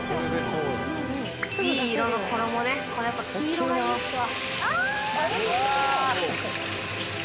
いい色の衣ねやっぱ黄色がいいっすわ。